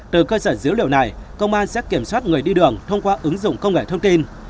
từ cơ sở dữ liệu này công an sẽ kiểm soát người đi đường thông qua ứng dụng công nghệ thông tin